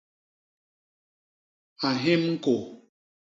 A nhim ñkôô.